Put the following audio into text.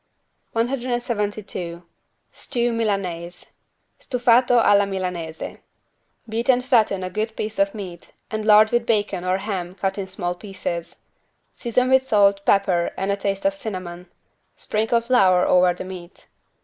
172 STEW MILANAISE (Stufato alla milanese) Beat and flatten a good piece of meat and lard with bacon or ham cut in small pieces. Season with salt, pepper and a taste of cinnamon. Sprinkle flour over the meat.